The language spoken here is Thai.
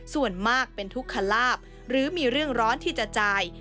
ส่วนมากเป็นทุกขลาบหรือมีเรื่องร้อนที่จะจ่าย